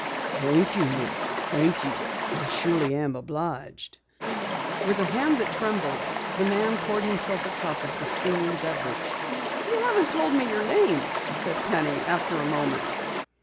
"Thank you, Miss, thank you. I surely am obliged." With a hand which trembled, the man poured himself a cup of the steaming beverage. "You haven't told me your name," said Penny after a moment.